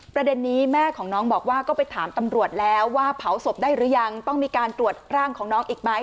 ประเด็นนี้แม่ของน้องบอกว่าก็ไปถามตำรวจแล้วว่าเผาศพได้หรือยังต้องมีการตรวจร่างของน้องอีกไหม